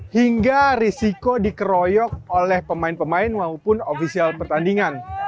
hingga risiko dikeroyok oleh pemain pemain maupun ofisial pertandingan